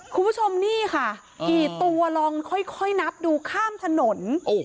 คุณผู้ชมนี่ค่ะกี่ตัวลองค่อยนับดูข้ามถนน